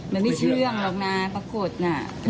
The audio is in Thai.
ไม่เชื่องหรอกนะปลากรดน่ะ